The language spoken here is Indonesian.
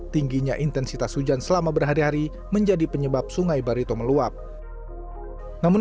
tingginya intensitas hujan selama berhari hari menjadi penyebab sungai banjir